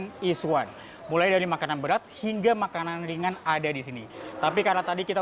makanan iswan mulai dari makanan berat hingga makanan ringan ada di sini tapi karena tadi kita